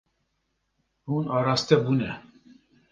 Hûn araste bûne.